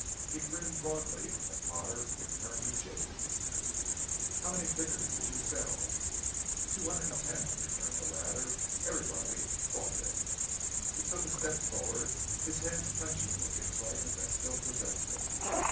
He grinned broadly at Potter and turned to Jiggs. "How many Kickers did you sell?" "Two hundred an' ten," returned the latter; "everybody bought them." He took a step forward; his hands clenching with the excitement that still possessed him.